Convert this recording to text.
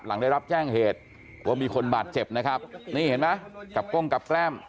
หลังได้รับแจ้งเหตุว่ามีคนบาดเจ็บนะครับนี่เห็นไหมกับก้งกับแกล้ม